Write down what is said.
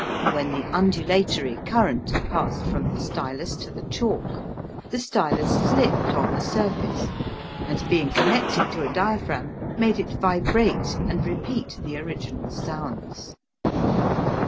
When the undulatory current passed from the stylus to the chalk, the stylus slipped on the surface, and, being connected to a diaphragm, made it vibrate and repeat the original sounds.